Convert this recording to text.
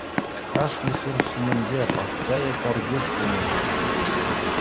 Кашни ҫурт ҫумӗнче пахча е картиш пулнӑ.